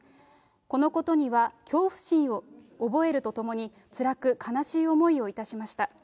このことには恐怖心を覚えるとともに、つらく、悲しい思いをいたしました。